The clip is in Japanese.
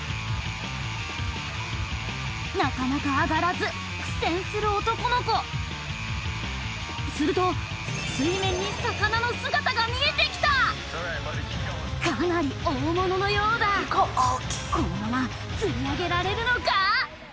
なかなか上がらず苦戦する男の子すると水面に魚の姿が見えてきたかなり大物のようだこのまま釣り上げられるのか？